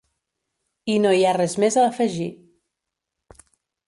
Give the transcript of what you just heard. I no hi ha res més a afegir.